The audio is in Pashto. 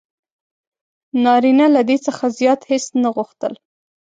نارینه له دې څخه زیات هیڅ نه غوښتل: